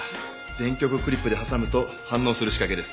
電極をクリップで挟むと反応する仕掛けです。